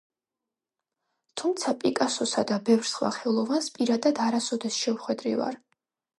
თუმცა პიკასოსა და ბევრ სხვა ხელოვანს პირადად არასოდეს შევხვედრივარ.